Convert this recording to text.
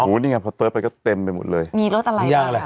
อู๋นี่ไงพอเติ๊ดไปก็เต็มไปหมดเลยมีรสอะไรบ้างค่ะ